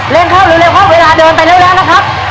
เข้าเร็วเข้าเวลาเดินไปแล้วนะครับ